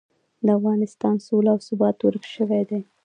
د افغانستان سوله او ثبات ورک شوي دي.